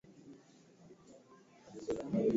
ugonjwa wa homa ya ini inasababishwa na kuchangia miswaki